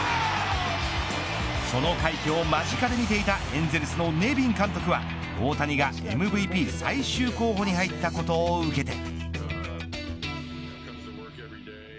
その快挙を間近で見ていたエンゼルスのネビン監督は大谷がＭＶＰ最終候補に入ったことを受けて。